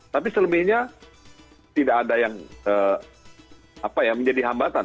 tapi selebihnya tidak ada yang menjadi hambatan